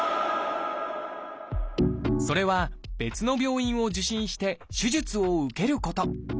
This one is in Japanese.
それは別の病院を受診して手術を受けること。